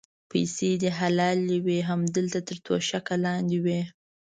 پیسې دې حلالې وې هملته تر توشکه لاندې وې.